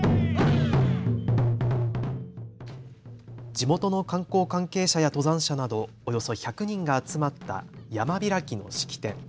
地元の観光関係者や登山者などおよそ１００人が集まった山開きの式典。